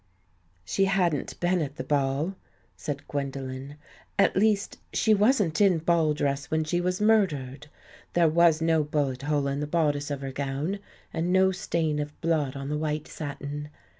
" She hadn't been at the ball," said Gwendole "At least, she wasn't in ball dress when she W' murdered. There was no bullet hole in the bodice of her gown and no stain of blood on the white satin.